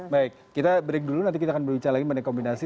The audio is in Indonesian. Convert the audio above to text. baik kita break dulu nanti kita akan berbicara lagi mengenai kombinasi